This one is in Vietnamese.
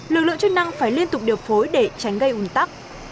lực lượng chức năng phải liên tục điều phối để tránh gây ủn tắc